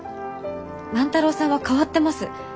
万太郎さんは変わってます。